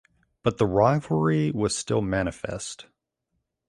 But the rivalry was still manifest.